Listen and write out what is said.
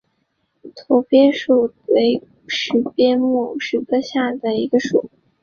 驼石鳖属为石鳖目石鳖科下的一个属。